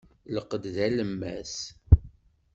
Lqed d alemmas.